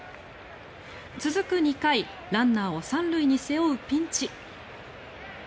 続く２回ランナーを３塁に背負うピンチ。